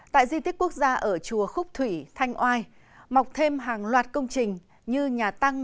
tại di tích quốc gia ở chùa khúc thủy thanh oai mọc thêm hàng loạt công trình như nhà tăng